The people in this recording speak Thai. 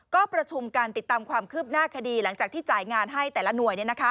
ก็ประชุมการติดตามความคืบหน้าคดีหลังจากที่จ่ายงานให้แต่ละหน่วย